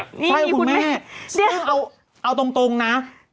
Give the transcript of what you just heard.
อ่าวคุณแม่เอาตรงนะ